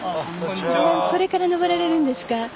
これから登られるんですか？